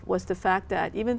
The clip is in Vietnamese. chúng tôi đồng ý